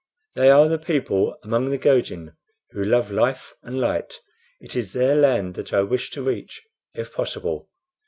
"They are a people among the Gojin who love life and light. It is their land that I wish to reach, if possible."